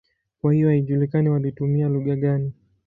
Kwa hiyo haijulikani walitumia lugha gani.